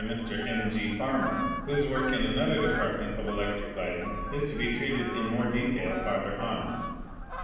Farmer, ELECTRO MAGNETIC MACHINERY 195 whose work in another department of electric lighting is to be treated in more detail farther on.